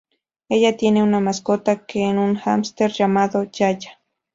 Ella tiene una mascota que es un "hámster" llamado Ya-Ya.